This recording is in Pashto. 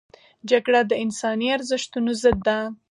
جګړه د انساني ارزښتونو ضد ده